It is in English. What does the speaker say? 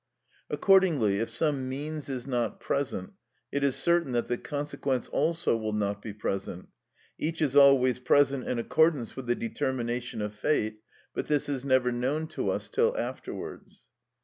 Accordingly, if some means is not present, it is certain that the consequence also will not be present: each is always present in accordance with the determination of fate, but this is never known to us till afterwards.